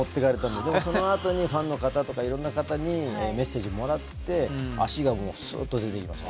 でも、そのあとにファンの方とかいろんな方にメッセージをもらって足がすっと出ていきました。